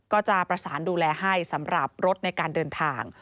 ก็จะประสานดูแลให้สำหรับรถในการเดินทาง